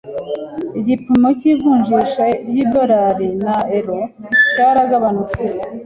Igipimo cy'ivunjisha ry'idolari na euro cyaragabanutse.